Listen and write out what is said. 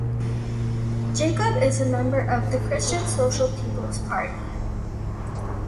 Jacobs is a member of the Christian Social People's Party.